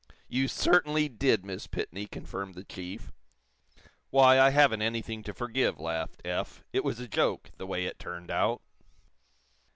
"You certainly did, Miss Pitney," confirmed the chief. "Why, I haven't anything to forgive," laughed Eph. "It was a joke, the way it turned out."